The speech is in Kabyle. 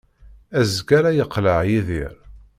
Azekka ara yeqleɛ Yidir.